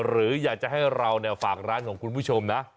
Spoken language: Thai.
หรืออยากจะให้เราฝากร้านของคุณผู้ชมนะ